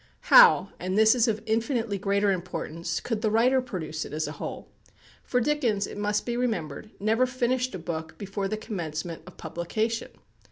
How, and this is of infinitely greater importance, how could the writer produce it as a whole? For Dickens, it must be remembered, never finished a book before the commencement of publication.